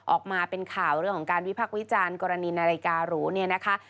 ออกมาเป็นข่าวเรื่องของการวิพักษ์วิจารณ์กรณีนาฬิการูเนี่ยนะคะ